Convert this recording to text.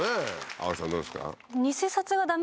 葵さんどうですか？